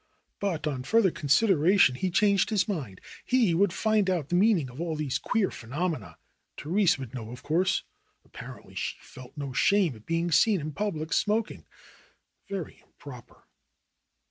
But on further consideration he changed his mind. He would find out the meaning of 6 THE ROSE COLORED WORLD all these queer phenomena. Therese would know of course. Apparently she felt no shame at being seen in public smoking. Very improper